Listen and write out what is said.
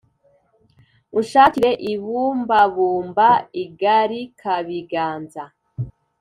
, unshakire ibumbabumba igarikabiganza.